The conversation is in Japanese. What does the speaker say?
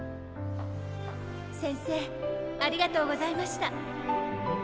せんせいありがとうございました。